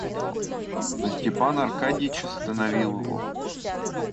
Но Степан Аркадьич остановил его.